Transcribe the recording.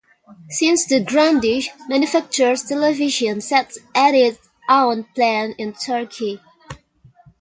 Since then Grundig manufactures television sets at its own plant in Turkey.